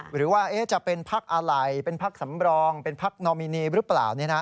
หรือว่าจะเป็นพักอะไรเป็นพักสำรองเป็นพักนอมินีหรือเปล่า